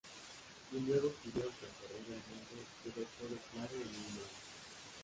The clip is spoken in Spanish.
Y luego que hubieron recorrido el mundo, quedó todo claro e iluminado.